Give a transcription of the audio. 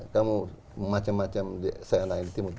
kamu macam macam di timur